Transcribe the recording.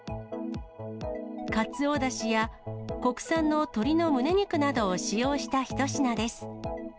かつおだしや、国産の鶏のむね肉などを使用した一品です。